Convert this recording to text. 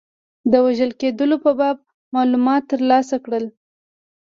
د وژل کېدلو په باب معلومات ترلاسه کړل.